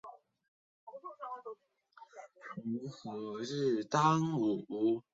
中国古代高僧法显和玄奘先后记载了菩提伽耶的历史。